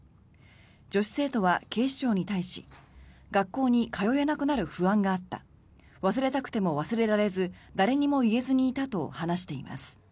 女子生徒は警視庁に対し学校に通えなくなる不安があった忘れたくても忘れられず誰にも言えずにいたと話しています。